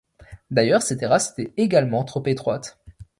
D’ailleurs, ces terrasses étaient également trop étroites.